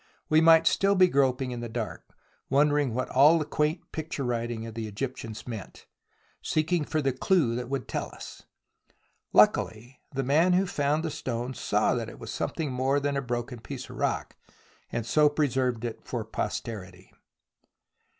We might still be groping in the dark, wondering what all the quaint picture writing of the Egyptians meant, seeking for the clue that would tell us. Luckily the man who found the stone saw that it was something more than a broken piece of rock, and so preserved it for pos terity.